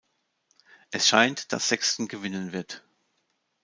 Es scheint, dass Sexton gewinnen wird.